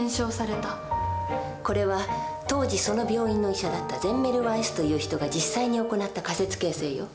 これは当時その病院の医者だったゼンメルワイスという人が実際に行った仮説形成よ。